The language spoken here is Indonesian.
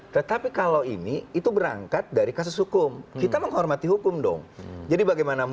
tetapi kalau ini itu berangkat dari kasus hukum kita menghormati hukum dong jadi bagaimana